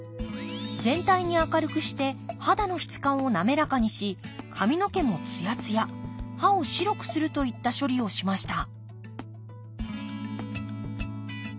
全体に明るくして肌の質感を滑らかにし髪の毛もつやつや歯を白くするといった処理をしました